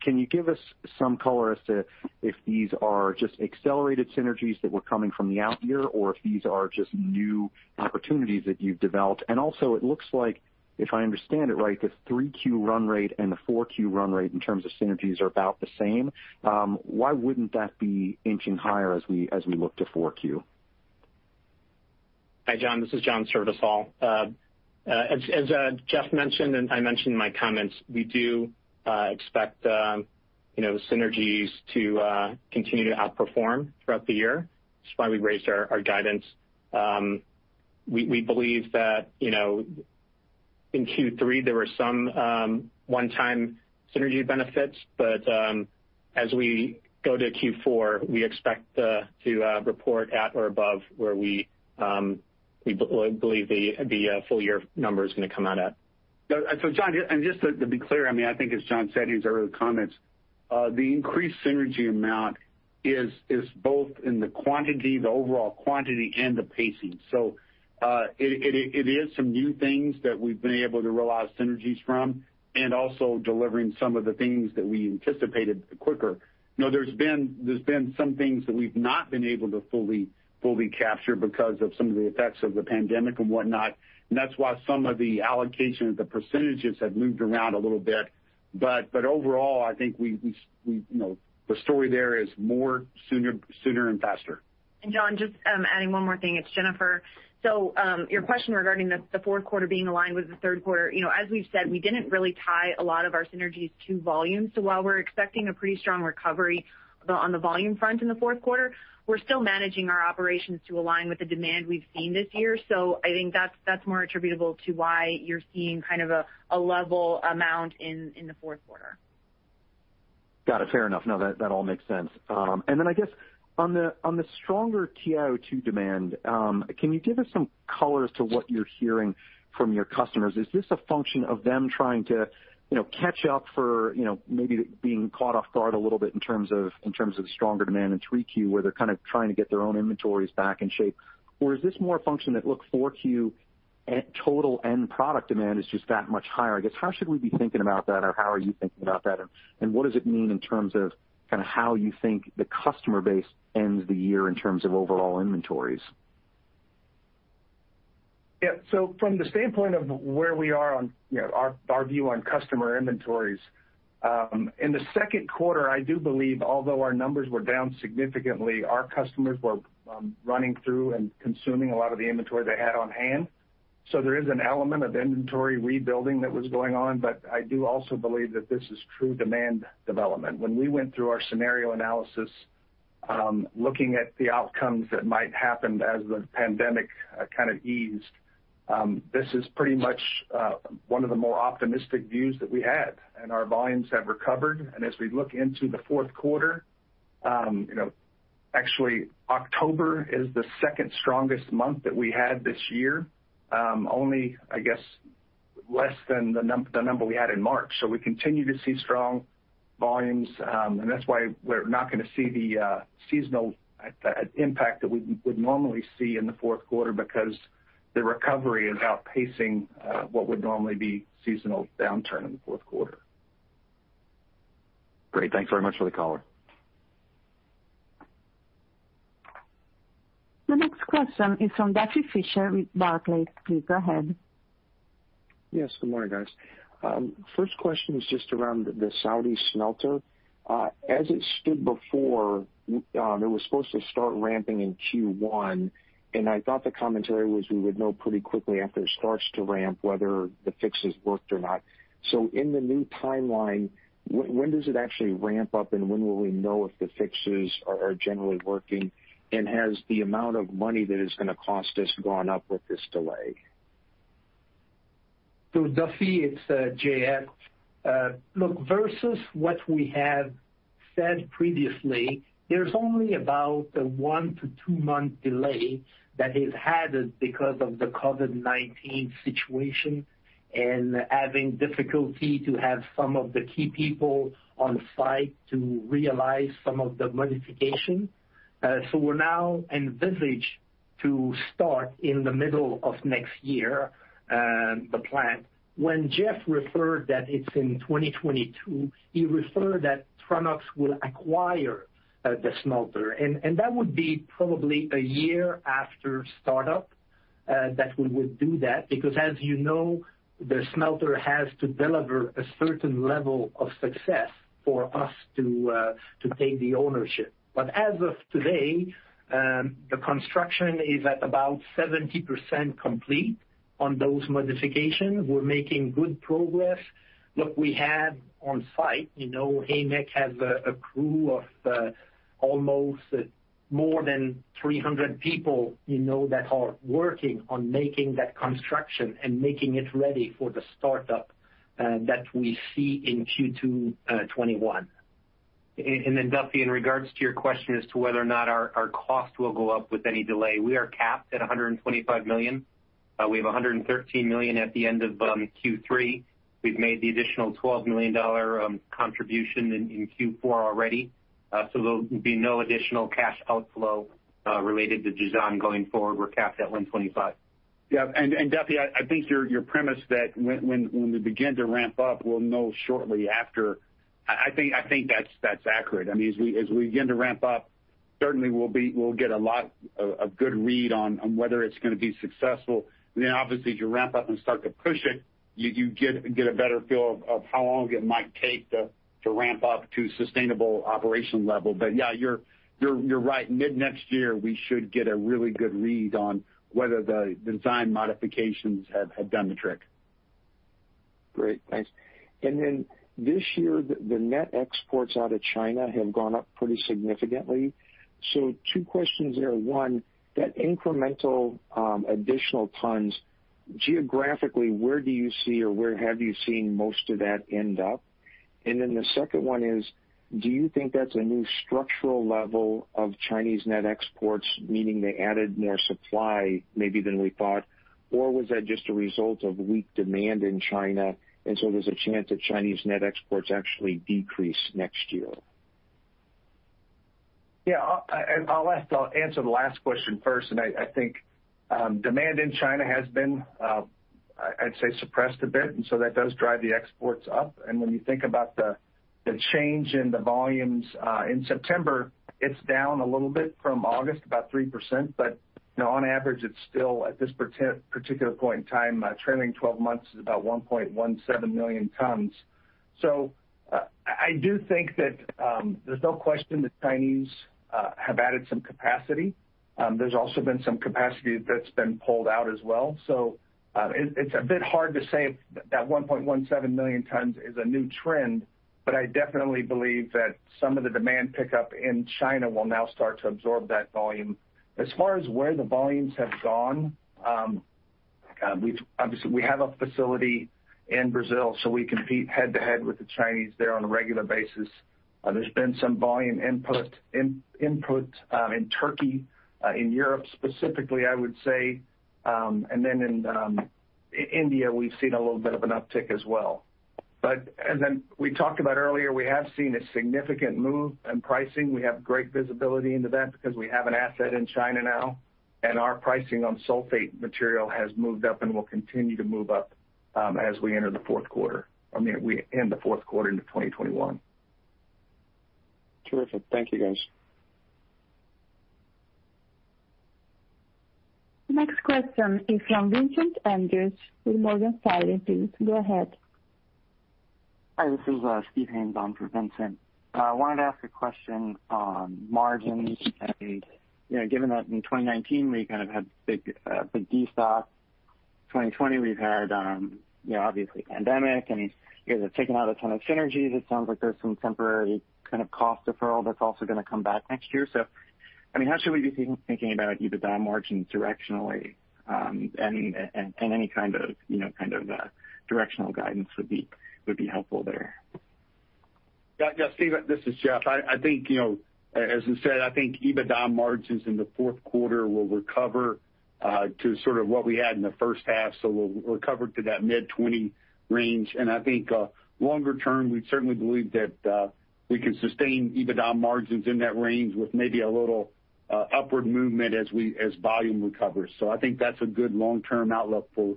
Can you give us some color as to if these are just accelerated synergies that were coming from the out year, or if these are just new opportunities that you've developed? Also it looks like, if I understand it right, the 3Q run rate and the 4Q run rate in terms of synergies are about the same. Why wouldn't that be inching higher as we look to 4Q? Hi, John, this is John Srivisal. As Jeff mentioned and I mentioned in my comments, we do expect synergies to continue to outperform throughout the year. That's why we raised our guidance. We believe that in Q3, there were some one-time synergy benefits. As we go to Q4, we expect to report at or above where we believe the full-year number is going to come out at. John, and just to be clear, I think as John said in his earlier comments, the increased synergy amount is both in the quantity, the overall quantity, and the pacing. It is some new things that we've been able to realize synergies from, and also delivering some of the things that we anticipated quicker. There's been some things that we've not been able to fully capture because of some of the effects of the pandemic and whatnot, and that's why some of the allocation of the percentages have moved around a little bit. Overall, I think the story there is more sooner and faster. John, just adding one more thing. It's Jennifer. Your question regarding the fourth quarter being aligned with the third quarter. As we've said, we didn't really tie a lot of our synergies to volume. While we're expecting a pretty strong recovery on the volume front in the fourth quarter, we're still managing our operations to align with the demand we've seen this year. I think that's more attributable to why you're seeing kind of a level amount in the fourth quarter. Got it. Fair enough. No, that all makes sense. I guess on the stronger TiO2 demand, can you give us some color as to what you're hearing from your customers? Is this a function of them trying to catch up for maybe being caught off guard a little bit in terms of the stronger demand in 3Q, where they're kind of trying to get their own inventories back in shape? Is this more a function that, look, 4Q total end product demand is just that much higher? I guess, how should we be thinking about that or how are you thinking about that, and what does it mean in terms of how you think the customer base ends the year in terms of overall inventories? Yeah. From the standpoint of where we are on our view on customer inventories, in the second quarter, I do believe, although our numbers were down significantly, our customers were running through and consuming a lot of the inventory they had on hand. There is an element of inventory rebuilding that was going on. I do also believe that this is true demand development. When we went through our scenario analysis, looking at the outcomes that might happen as the pandemic kind of eased, this is pretty much one of the more optimistic views that we had, and our volumes have recovered. As we look into the fourth quarter, actually October is the second strongest month that we had this year. Only, I guess, less than the number we had in March. We continue to see strong volumes. That's why we're not going to see the seasonal impact that we would normally see in the fourth quarter, because the recovery is outpacing what would normally be seasonal downturn in the fourth quarter. Great. Thanks very much for the color. The next question is from Duffy Fischer with Barclays. Please go ahead. Yes. Good morning, guys. First question is just around the Saudi smelter. As it stood before, it was supposed to start ramping in Q1. I thought the commentary was we would know pretty quickly after it starts to ramp whether the fixes worked or not. In the new timeline, when does it actually ramp up, and when will we know if the fixes are generally working? Has the amount of money that is going to cost us gone up with this delay? Duffy, it's J.F. Look, versus what we have said previously, there's only about a one to two-month delay that is added because of the COVID-19 situation and having difficulty to have some of the key people on site to realize some of the modification. We now envisage to start in the middle of next year, the plant. When Jeff referred that it's in 2022, he referred that Tronox will acquire the smelter. That would be probably a year after startup that we would do that, because as you know, the smelter has to deliver a certain level of success for us to take the ownership. As of today, the construction is at about 70% complete on those modifications. We're making good progress. Look, we have on site, AMEC has a crew of almost more than 300 people that are working on making that construction and making it ready for the startup that we see in Q2 2021. Then, Duffy Fischer, in regards to your question as to whether or not our cost will go up with any delay, we are capped at $125 million. We have $113 million at the end of Q3. We've made the additional $12 million contribution in Q4 already. There'll be no additional cash outflow related to Jazan going forward. We're capped at $125. Yeah. Duffy, I think your premise that when we begin to ramp up, we'll know shortly after, I think that's accurate. As we begin to ramp up, certainly we'll get a good read on whether it's going to be successful. Obviously, as you ramp up and start to push it, you get a better feel of how long it might take to ramp up to sustainable operation level. Yeah, you're right. Mid next year, we should get a really good read on whether the design modifications have done the trick. Great. Thanks. Then this year, the net exports out of China have gone up pretty significantly. Two questions there. One, that incremental additional tons, geographically, where do you see or where have you seen most of that end up? Then the second one is, do you think that's a new structural level of Chinese net exports, meaning they added more supply maybe than we thought, or was that just a result of weak demand in China, and so there's a chance that Chinese net exports actually decrease next year? Yeah. I'll answer the last question first. I think demand in China has been, I'd say, suppressed a bit, that does drive the exports up. When you think about the change in the volumes in September, it's down a little bit from August, about 3%, but on average, it's still at this particular point in time, trailing 12 months is about 1.17 million tons. I do think that there's no question the Chinese have added some capacity. There's also been some capacity that's been pulled out as well. It's a bit hard to say that 1.17 million tons is a new trend, I definitely believe that some of the demand pickup in China will now start to absorb that volume. As far as where the volumes have gone. Obviously, we have a facility in Brazil, so we compete head-to-head with the Chinese there on a regular basis. There's been some volume input in Turkey, in Europe specifically, I would say. In India, we've seen a little bit of an uptick as well. As we talked about earlier, we have seen a significant move in pricing. We have great visibility into that because we have an asset in China now, and our pricing on sulfate material has moved up and will continue to move up as we enter the fourth quarter. I mean, we end the fourth quarter into 2021. Terrific. Thank you, guys. The next question is from Vincent Andrews with Morgan Stanley. Please go ahead. Hi, this is Steve Haynes on for Vincent. I wanted to ask a question on margins, given that in 2019 we kind of had a big destock. 2020, we've had obviously pandemic, it's taken out a ton of synergies. It sounds like there's some temporary kind of cost deferral that's also going to come back next year. How should we be thinking about EBITDA margins directionally? Any kind of directional guidance would be helpful there. Yeah. Steve, this is Jeff. As you said, I think EBITDA margins in the fourth quarter will recover to sort of what we had in the first half. We'll recover to that mid-20 range. I think longer term, we certainly believe that we can sustain EBITDA margins in that range with maybe a little upward movement as volume recovers. I think that's a good long-term outlook for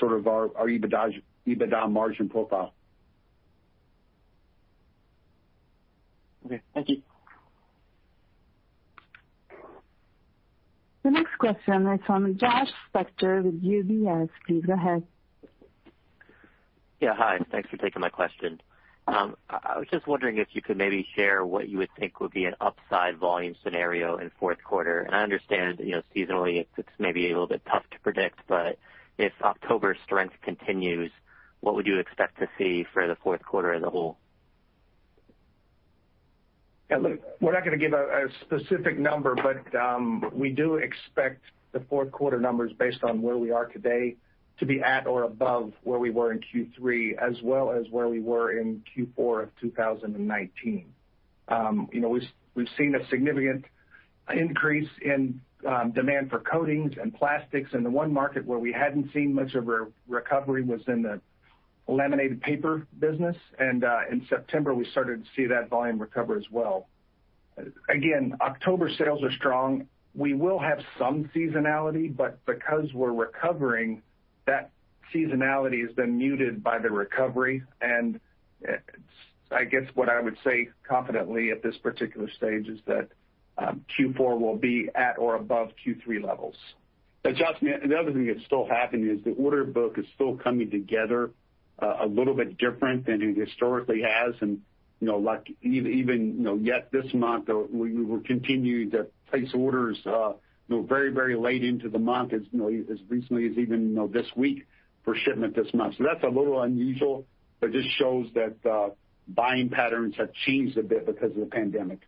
sort of our EBITDA margin profile. Okay, thank you. The next question is from Josh Spector with UBS. Please go ahead. Yeah, hi. Thanks for taking my question. I was just wondering if you could maybe share what you would think would be an upside volume scenario in fourth quarter. I understand, seasonally, it's maybe a little bit tough to predict, but if October strength continues, what would you expect to see for the fourth quarter as a whole? Look, we're not going to give a specific number, but we do expect the fourth quarter numbers based on where we are today to be at or above where we were in Q3 as well as where we were in Q4 of 2019. We've seen a significant increase in demand for coatings and plastics. The one market where we hadn't seen much of a recovery was in the laminated paper business. In September, we started to see that volume recover as well. Again, October sales are strong. We will have some seasonality, but because we're recovering, that seasonality has been muted by the recovery. I guess what I would say confidently at this particular stage is that Q4 will be at or above Q3 levels. Josh, the other thing that's still happening is the order book is still coming together a little bit different than it historically has. Even yet this month, we will continue to place orders very late into the month as recently as even this week for shipment this month. That's a little unusual, but just shows that buying patterns have changed a bit because of the pandemic.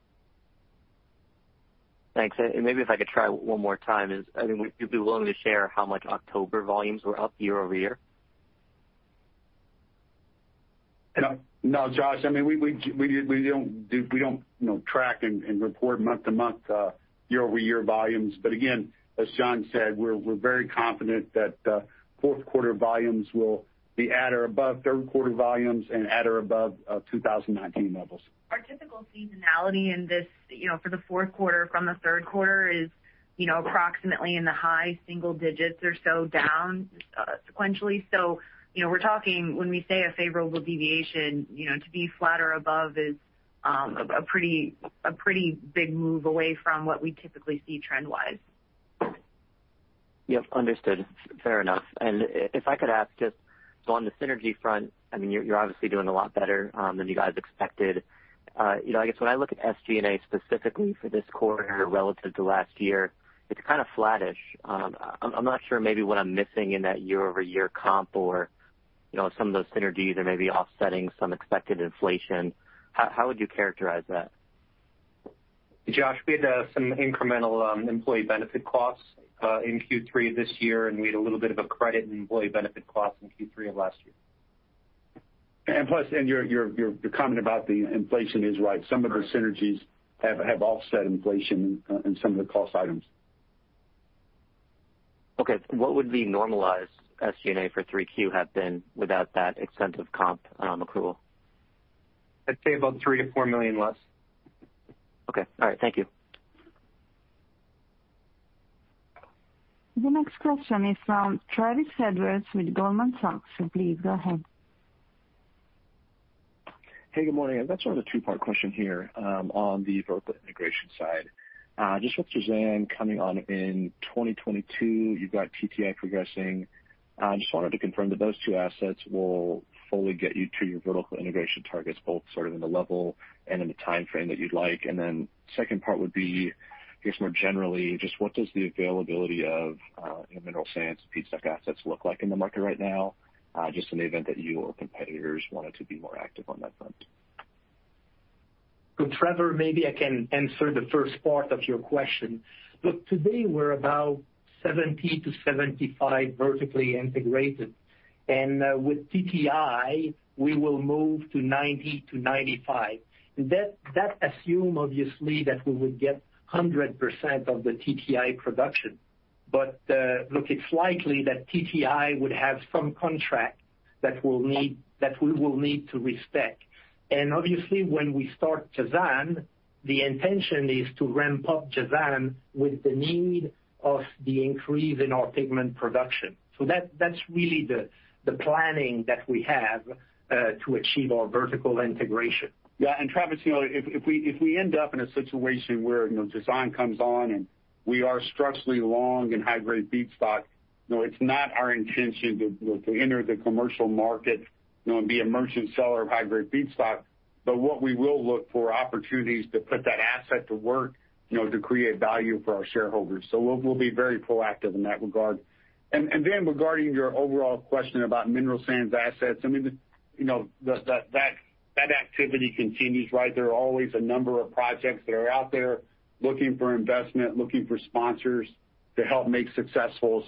Thanks. Maybe if I could try one more time, would you be willing to share how much October volumes were up YoY? No, Josh. We don't track and report month-to-month, YoY volumes. Again, as John said, we're very confident that fourth quarter volumes will be at or above third quarter volumes and at or above 2019 levels. Our typical seasonality for the fourth quarter from the third quarter is approximately in the high single digits or so down sequentially. We're talking when we say a favorable deviation, to be flat or above is a pretty big move away from what we typically see trend-wise. Yep, understood. Fair enough. If I could ask just so on the synergy front, you're obviously doing a lot better than you guys expected. I guess when I look at SG&A specifically for this quarter relative to last year, it's kind of flattish. I'm not sure maybe what I'm missing in that YoY comp or if some of those synergies are maybe offsetting some expected inflation. How would you characterize that? Josh, we had some incremental employee benefit costs in Q3 this year, and we had a little bit of a credit in employee benefit cost in Q3 of last year. Plus, your comment about the inflation is right. Some of the synergies have offset inflation in some of the cost items. Okay. What would the normalized SG&A for 3Q have been without that extensive comp accrual? I'd say about $3 million-$4 million less. Okay. All right. Thank you. The next question is from Travis Edwards with Goldman Sachs. Please go ahead. Hey, good morning. That's sort of a two-part question here on the vertical integration side. Just with Jazan coming on in 2022, you've got TTI progressing. Wanted to confirm that those two assets will fully get you to your vertical integration targets, both sort of in the level and in the timeframe that you'd like. Second part would be, I guess more generally, just what does the availability of mineral sands and feedstock assets look like in the market right now? In the event that you or competitors wanted to be more active on that front. Travis, maybe I can answer the first part of your question. Look, today we're about 70%-75% vertically integrated, and with TTI, we will move to 90%-95%. That assume, obviously, that we would get 100% of the TTI production. Look, it's likely that TTI would have some contract that we will need to respect. Obviously, when we start Jazan, the intention is to ramp up Jazan with the need of the increase in our pigment production. That's really the planning that we have to achieve our vertical integration. Yeah. Travis, if we end up in a situation where Jazan comes on and we are structurally long in high-grade feedstock, it's not our intention to enter the commercial market and be a merchant seller of high-grade feedstock. What we will look for opportunities to put that asset to work, to create value for our shareholders. We'll be very proactive in that regard. Regarding your overall question about mineral sands assets, that activity continues. There are always a number of projects that are out there looking for investment, looking for sponsors to help make successful.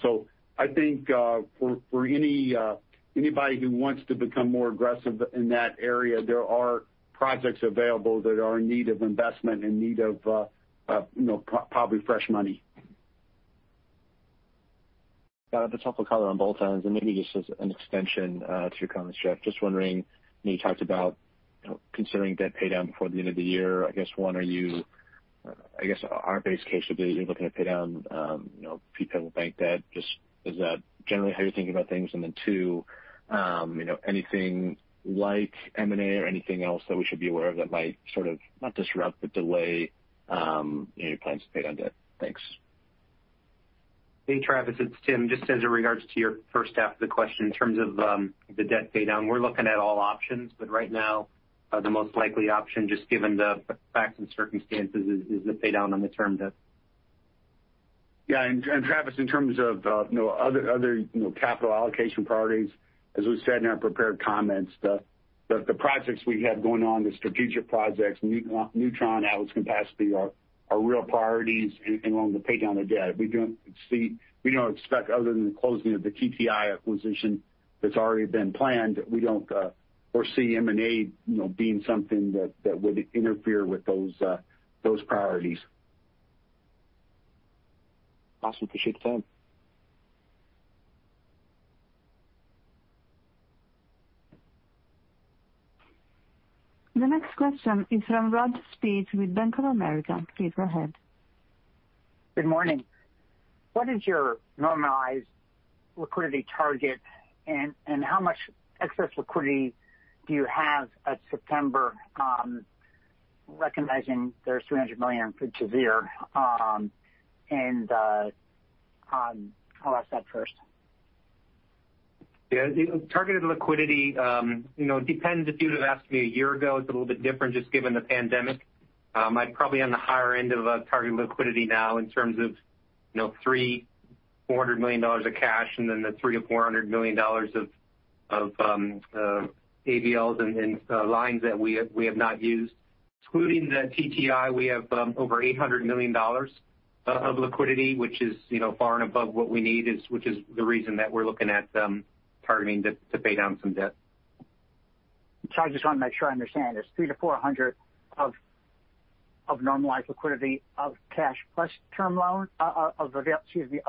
I think for anybody who wants to become more aggressive in that area, there are projects available that are in need of investment, in need of probably fresh money. Got it. That's helpful color on both ends, Maybe just as an extension to your comments, Jeff, just wondering when you talked about considering debt pay down before the end of the year, I guess, one, our base case would be you're looking to pay down prepayable bank debt. Just is that generally how you're thinking about things? Then two, anything like M&A or anything else that we should be aware of that might sort of, not disrupt, but delay any plans to pay down debt? Thanks. Hey, Travis, it's Tim. Just as in regards to your first half of the question, in terms of the debt pay down, we're looking at all options. Right now, the most likely option, just given the facts and circumstances, is the pay down on the term debt. Travis, in terms of other capital allocation priorities, as we said in our prepared comments, the projects we have going on, the strategic projects, newTRON, Atlas Campaspe, are real priorities, along with the pay down of debt. We don't expect other than the closing of the TTI acquisition that's already been planned, we don't foresee M&A being something that would interfere with those priorities. Awesome. Appreciate the time. The next question is from Roger Spitz with Bank of America. Please go ahead. Good morning. What is your normalized liquidity target, and how much excess liquidity do you have at September, recognizing there's $300 million printed here? And I'll ask that first. Targeted liquidity depends. If you'd have asked me a year ago, it's a little bit different just given the pandemic. I'm probably on the higher end of a target liquidity now in terms of three, $400 million of cash, and then the three to $400 million of ABLs and lines that we have not used. Excluding the TTI, we have over $800 million of liquidity, which is far and above what we need, which is the reason that we're looking at targeting to pay down some debt. I just want to make sure I understand. There's $300 million-$400 million of normalized liquidity of cash plus term loan of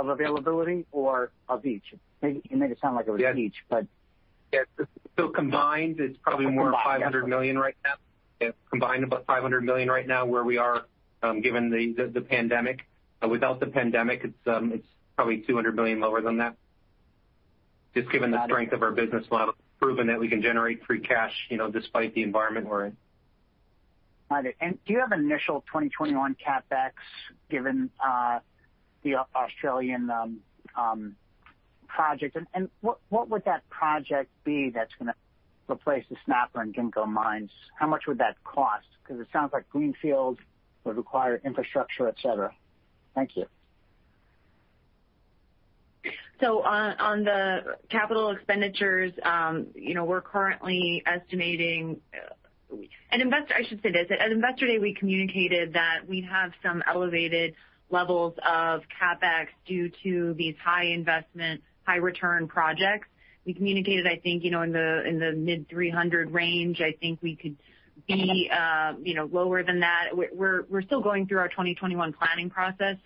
availability, or of each? You made it sound like it was each. Yeah. Combined. $500 million right now. Yeah. Combined about $500 million right now where we are, given the pandemic. Without the pandemic, it's probably $200 million lower than that. Just given the strength of our business model, proven that we can generate free cash despite the environment we're in. Got it. Do you have initial 2021 CapEx given the Australian project? What would that project be that's going to replace the Snapper and Ginkgo mines? How much would that cost? Because it sounds like greenfield would require infrastructure, et cetera. Thank you. On the capital expenditures, we're currently estimating. I should say this. At Investor Day, we communicated that we have some elevated levels of CapEx due to these high investment, high return projects. We communicated, I think, in the mid-$300 million range. I think we could be lower than that. We're still going through our 2021 planning process.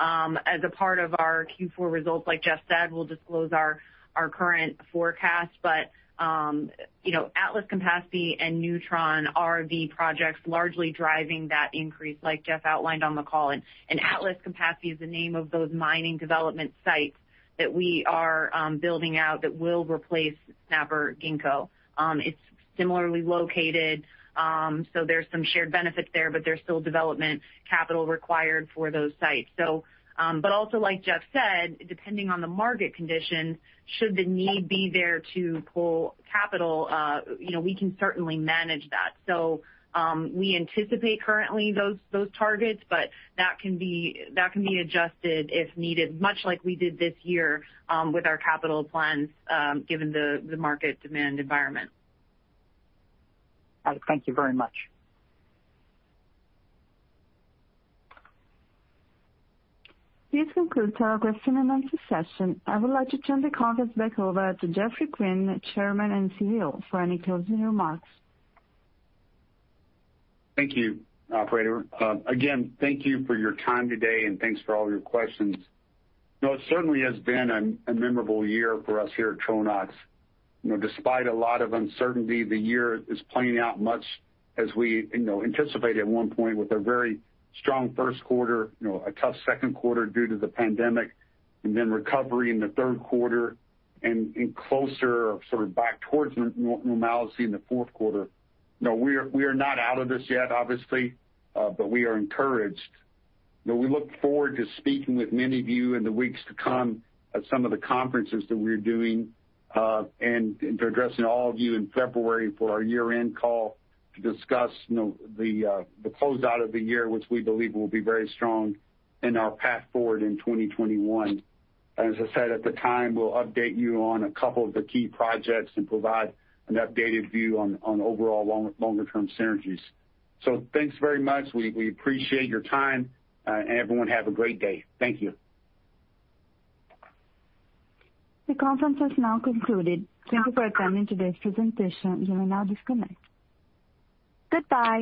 As a part of our Q4 results, like Jeff said, we'll disclose our current forecast. Atlas Campaspe and newTRON are the projects largely driving that increase, like Jeff outlined on the call. Atlas Campaspe is the name of those mining development sites that we are building out that will replace Snapper Ginkgo. It's similarly located, so there's some shared benefits there, but there's still development capital required for those sites. Also, like Jeff said, depending on the market condition, should the need be there to pull capital, we can certainly manage that. We anticipate currently those targets, but that can be adjusted if needed, much like we did this year with our capital plans given the market demand environment. All right. Thank you very much. This concludes our question and answer session. I would like to turn the conference back over to Jeffry Quinn, Chairman and Chief Executive Officer, for any closing remarks. Thank you, operator. Again, thank you for your time today, and thanks for all your questions. It certainly has been a memorable year for us here at Tronox. Despite a lot of uncertainty, the year is playing out much as we anticipated at one point with a very strong first quarter, a tough second quarter due to the pandemic, and then recovery in the third quarter, and closer, or sort of back towards normalcy in the fourth quarter. We are not out of this yet, obviously, but we are encouraged. We look forward to speaking with many of you in the weeks to come at some of the conferences that we're doing, and to addressing all of you in February for our year-end call to discuss the closeout of the year, which we believe will be very strong, and our path forward in 2021. As I said at the time, we'll update you on a couple of the key projects and provide an updated view on overall longer-term synergies. Thanks very much. We appreciate your time. Everyone, have a great day. Thank you. The conference has now concluded. Thank you for attending today's presentation. You may now disconnect. Goodbye.